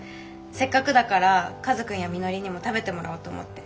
せっかくだからカズくんやみのりにも食べてもらおうと思って。